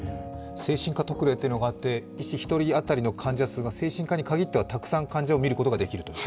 精神科特例というのがあって、医師１人当たりの患者が精神科にかぎってはたくさん患者を診ることができると。